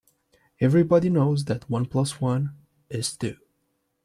Everybody knows that one plus one is two.